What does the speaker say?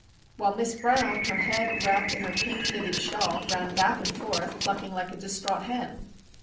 _" While Miss Brown, her head wrapped in her pink knitted shawl, ran back and forth, clucking like a distraught hen.